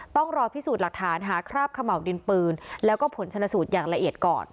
ต้องรอพิสูจน์หลักฐานหาคราบเขม่าวดินปืนแล้วก็ผลชนสูตรอย่างละเอียดก่อน